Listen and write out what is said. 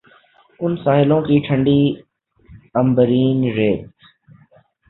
ان ساحلوں کی ٹھنڈی عنبرین ریت